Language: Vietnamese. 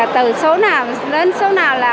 từ số nào đến số nào